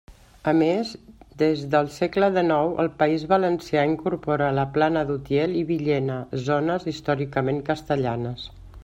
A més, des del segle dènou el País Valencià incorpora la Plana d'Utiel i Villena, zones històricament castellanes.